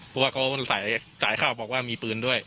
เพราะว่าเขาสายข่าวบอกว่ามีปืนด้วย